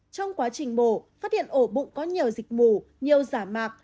trong quá trình mổ phát hiện ổ bụng có nhiều dịch mù nhiều giả mạc